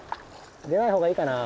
出ないほうがいいかな。